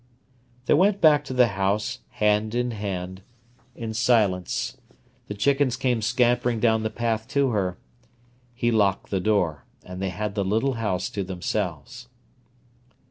They went back to the house, hand in hand, in silence. The chickens came scampering down the path to her. He locked the door, and they had the little house to themselves.